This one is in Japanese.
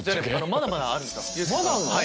まだまだあるんですよ。